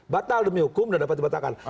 batal demi hukum dan dapat dibatalkan